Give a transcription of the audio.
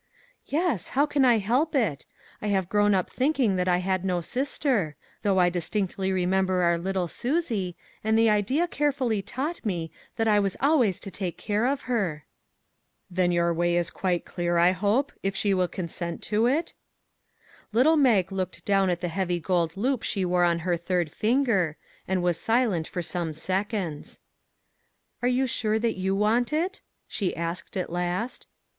" Yes ; how can I help it ? I have grown up thinking that I had no sister; though I dis tinctly remember our little Susie, and the idea carefully taught me that I was always to take care of her." 404 "Little Mag looked down on the heavy gold loop." "WHAT ELSE COULD ONE DO?" " Then your way is quite clear, I hope, if she will consent to it? " Little Mag looked down at the heavy gold loop she wore on her third finger, and was silent for some seconds. " Are you sure that you want it? " she asked at last.